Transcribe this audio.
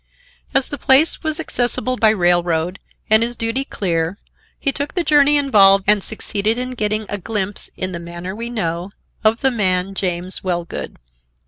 As the place was accessible by railroad and his duty clear, he took the journey involved and succeeded in getting a glimpse in the manner we know of the man James Wellgood.